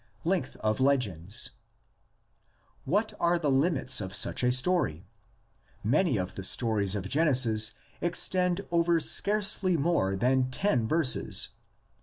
LENGTH OF LEGENDS. What are the limits of such a story? Many of the stories of Genesis extend over scarcely more than ten verses.